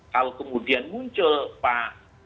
kalau kemudian muncul pak